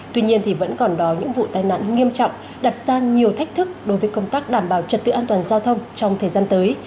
tuy nhiên vẫn còn đó những vụ tai nạn nghiêm trọng đặt ra nhiều thách thức đối với công tác đảm bảo trật tự an toàn giao thông trong thời gian tới